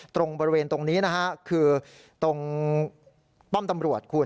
ตรงบริเวณตรงนี้นะฮะคือตรงป้อมตำรวจคุณ